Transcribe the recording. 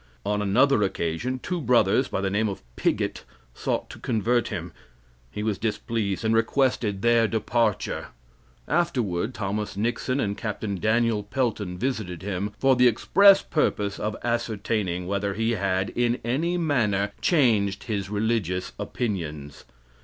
On another occasion, two brothers by the name of Pigott sought to convert him. He was displeased, and requested their departure. Afterward, Thomas Nixon and Capt. Daniel Pelton visited him for the express purpose of ascertaining whether he had, in any manner, changed his religious opinions.